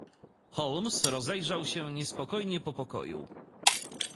"Holmes rozejrzał się niespokojnie po pokoju."